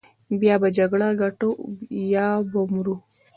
يا به جګړه ګټو يا به مرو.